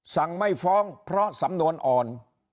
สั่งไม่ฟ้องเพราะสำนวนอ่อน